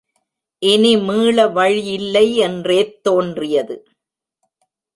இனி மீள வழியில்லை என்றேத் தோன்றியது.